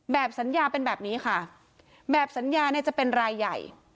แบบสัญญาเป็นแบบนี้ค่ะแบบสัญญาเนี่ยจะเป็นรายใหญ่